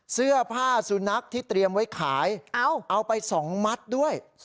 เสื้อผ้าสุนัขที่เตรียมไว้ขายเอาไป๒มัดด้วย